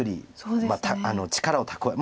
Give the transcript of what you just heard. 力を蓄え。